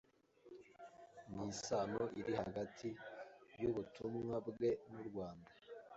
n’isano iri hagati y’ubutumwa bwe n’u Rwanda